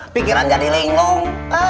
pikiran jadi lingung